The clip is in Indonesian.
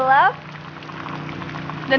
walaupun langit berwarna gelap